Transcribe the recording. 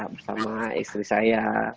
bersama istri saya